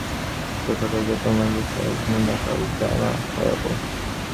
কোথা থেকে তোমায় বসিয়ে আজ নোনা কাল দানা খাওয়াব?